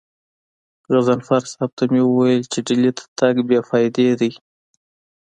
غضنفر صاحب ته مې وويل چې ډهلي ته تګ بې فايدې دی.